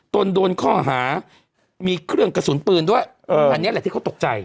โดนข้อหามีเครื่องกระสุนปืนด้วยอันนี้แหละที่เขาตกใจ